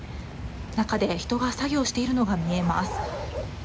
中で人が作業しているのが見えます。